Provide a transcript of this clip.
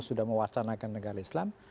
sudah mewacanakan negara islam